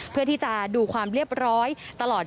เพื่อที่จะดูความเรียบร้อยตลอด